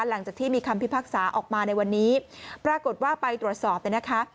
หลังจากที่มีคำพิพากษาออกมาในวันนี้ปรากฏว่าไปตรวจสอบเนี่ยนะคะ